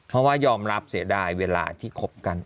เพราะว่ายอมรับเสียดายเวลาที่คบกัน